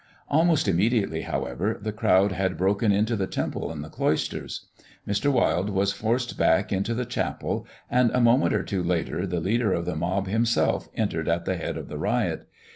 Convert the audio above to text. Almost immediately, however, the crowd had broken into the Temple and the cloisters. Mr. Wilde was forced back into the chapel, and a moment or two later the leader of the mob Himself entered at the head of the riot.